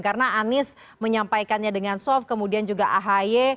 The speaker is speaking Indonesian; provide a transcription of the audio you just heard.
karena anies menyampaikannya dengan soft kemudian juga ahy